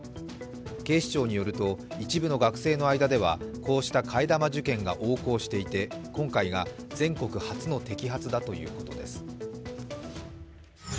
警視庁によると一部の学生の間ではこうした替え玉受検が横行していて、今回が全国初の摘発だということです。